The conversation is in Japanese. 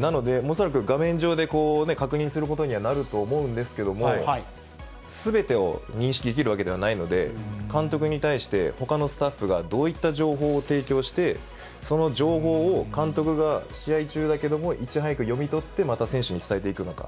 なので、恐らく画面上で確認することにはなると思うんですけれども、すべてを認識できるわけではないので、監督に対して、ほかのスタッフがどういった情報を提供して、その情報を監督が試合中だけども、いち早く読み取って、また選手に伝えていくのか。